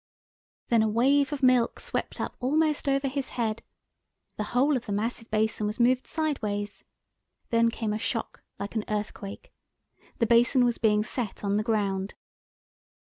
Then a wave of milk swept up almost over his head. The whole of the massive basin was moved sideways. Then came a shock like an earthquake. The basin was being set on the ground.